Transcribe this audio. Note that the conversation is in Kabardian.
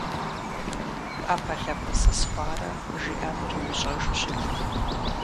Ӏэпэлъапэсыс хъуарэ жиӏэнур имыщӏэжу щытт.